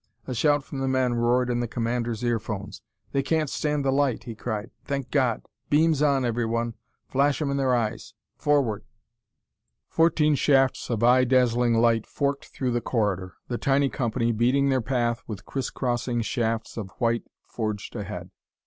A shout from the men roared in the commander's earphones. "They can't stand the light!" he cried. "Thank God! Beams on, everyone! Flash 'em in their eyes! Forward!" Fourteen shafts of eye dazzling light forked through the corridor. The tiny company, beating their path with criss crossing shafts of white, forged ahead.